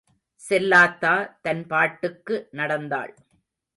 செல்லாத்தா, தன்பாட்டுக்கு நடந்தாள்.